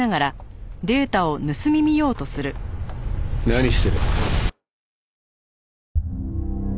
何してる？